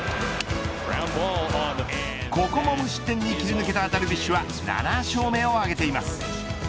ここも無失点に切り抜けたダルビッシュは７勝目を挙げています。